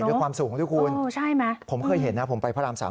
ด้วยความสูงทุกคุณใช่มั้ยผมเคยเห็นนะผมไปพระรามสาม